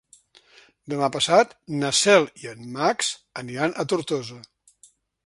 Demà passat na Cel i en Max aniran a Tortosa.